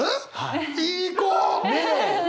いい子！